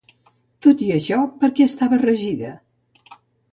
Tot i això, per què estava regida?